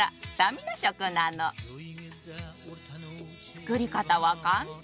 作り方は簡単。